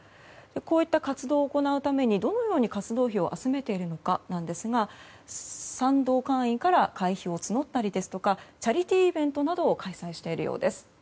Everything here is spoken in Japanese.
こういった活動を行うためにどのように活動費を集めているのかなんですが賛同会員から会費を募ったりですとかチャリティーイベントなどを開催しているようです。